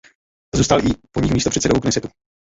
Zůstal i po nich místopředsedou Knesetu.